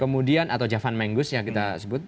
kemudian atau javanmenggus yang kita sebut